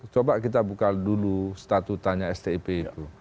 coba kita buka dulu statutanya stip itu